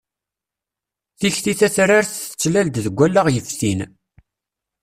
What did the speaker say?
Tikti tatrart tettlal-d deg wallaɣ yeftin.